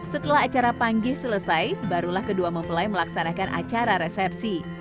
setelah acara panggih selesai barulah kedua mempelai melaksanakan acara resepsi